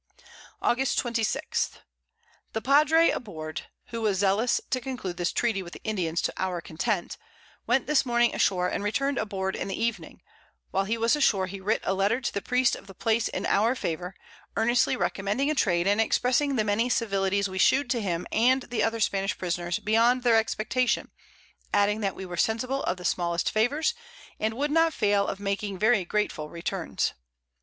[Sidenote: In Tecames Road.] August 26. The Padre aboard, who was zealous to conclude this Treaty with the Indians to our Content, went this Morning a shore, and return'd a board in the Evening; while he was a shore, he writ a Letter to the Priest of the place in our Favour, earnestly recommending a Trade, and expressing the many Civilities we shewed to him and the other Spanish Prisoners, beyond their Expectation, adding that we were sensible of the smallest Favours, and would not fail of making very grateful Returns.